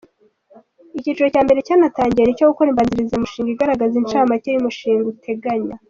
Icyiciro cya mbere cyanatangiye ni icyo gukora imbanzirizamushinga igaragaza incamake y’umushinga uteganya.